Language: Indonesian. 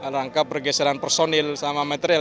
rangka pergeseran personil sama material